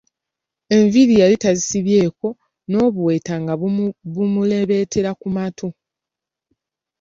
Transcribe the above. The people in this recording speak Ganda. Enviiri yali tazisibyeko, n'obuweta nga bumuleebeetera ku matu.